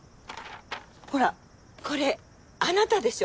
ほらこれあなたでしょ？